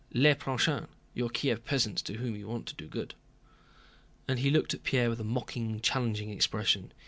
Le prochain—your Kiev peasants to whom you want to do good." And he looked at Pierre with a mocking, challenging expression.